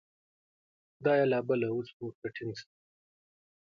دا یې لا بله ، اوس نو ورته ټینګ شه !